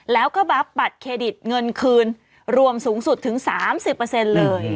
แล้วก็รับบัตรเครดิตเงินคืนรวมสูงสุดถึง๓๐เลย